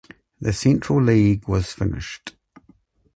The Central League was finished.